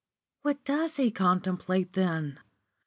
"What does he contemplate then?"